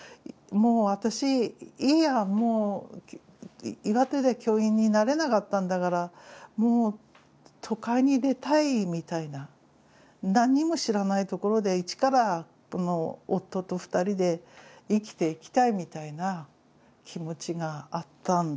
もう私いいやもう岩手で教員になれなかったんだからもう都会に出たいみたいな何も知らないところで一から夫と２人で生きていきたいみたいな気持ちがあったんです。